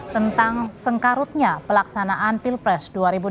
tentang sengkarutnya pelaksanaan pilpres dua ribu dua puluh